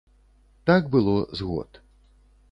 Так было з год.